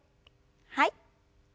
はい。